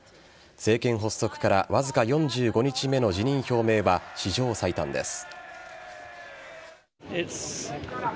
政権発足からわずか４５日目の辞任表明は史上最短です。